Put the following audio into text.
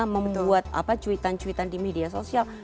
membuat apa cuitan cuitan di media sosial